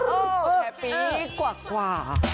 โอ้แฮปปี้กว่ากว่า